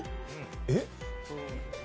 えっ？